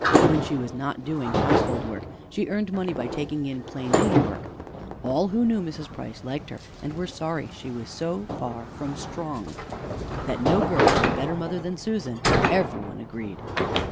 When she was not doing household work, she earned money by taking in plain needlework. All who knew Mrs. Price liked her and were sorry she was so far from strong. That no girl had a better mother than Susan, every one agreed.